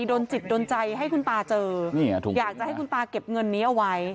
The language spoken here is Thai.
โดนจิตโดนใจให้คุณตาเจออยากจะให้คุณตาเก็บเงินนี้เอาไว้